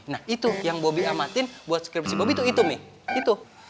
nah itu yang bobby amatin buat skripsi bobby itu itu nih